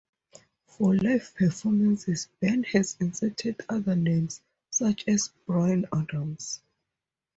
For live performances Ben has inserted other names, such as Bryan Adams.